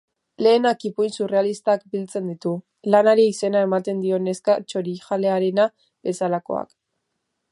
Lehenak ipuin surrealistak biltzen ditu, lanari izena ematen dion neska txorijalearena bezalakoak.